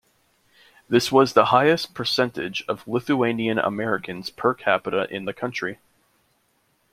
This was the highest percentage of Lithuanian Americans per capita in the country.